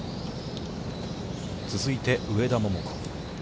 続いて、上田桃子。